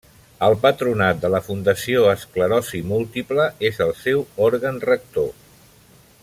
El Patronat de la Fundació Esclerosi Múltiple és el seu òrgan rector.